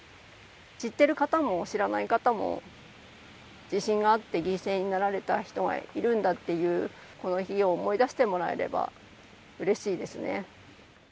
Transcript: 知ってる方も知らない方も、地震があって犠牲になられた人がいるんだっていうこの日を思い出してもらえれば、うれしいですね。